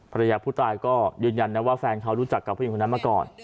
ภรรยาผู้ตายก็ยืนยันนะว่าแฟนเขารู้จักกับผู้หญิงคนนั้นมาก่อน